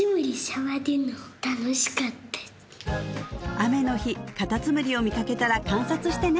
雨の日カタツムリを見かけたら観察してね